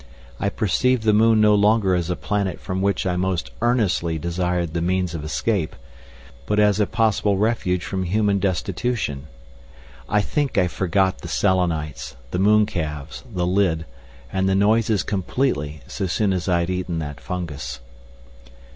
I perceived the moon no longer as a planet from which I most earnestly desired the means of escape, but as a possible refuge from human destitution. I think I forgot the Selenites, the mooncalves, the lid, and the noises completely so soon as I had eaten that fungus.